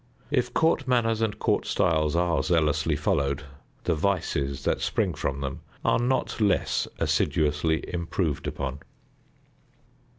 If court manners and court styles are zealously followed, the vices that spring from them are not less assiduously improved upon.